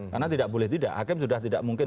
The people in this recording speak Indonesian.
karena tidak boleh tidak hakim sudah tidak mungkin